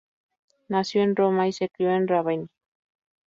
Nació en Roma y se crio en Rávena.